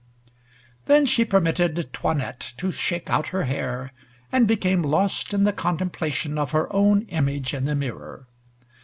Then she permitted 'Toinette to shake out her hair, and became lost in the contemplation of her own image in the mirror.